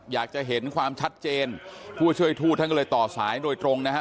อยากจะเห็นความชัดเจนผู้ช่วยทูตท่านก็เลยต่อสายโดยตรงนะฮะ